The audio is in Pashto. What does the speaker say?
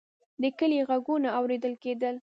د کلي غږونه اورېدل کېدل.